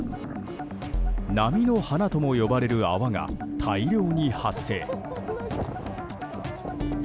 波の花とも呼ばれる泡が大量に発生。